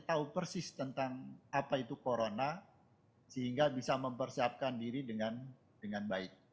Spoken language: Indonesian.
tahu persis tentang apa itu corona sehingga bisa mempersiapkan diri dengan baik